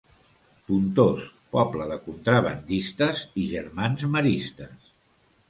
Pontós, poble de contrabandistes i germans maristes.